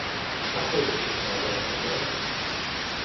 Ako je to všetko navzájom prepojené?